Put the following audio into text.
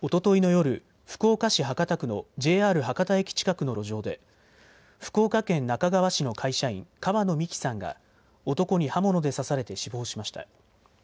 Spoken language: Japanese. おとといの夜、福岡市博多区のＪＲ博多駅近くの路上で福岡県那珂川市の会社員、川野美樹さんが男に刃物で刺されて死亡しました。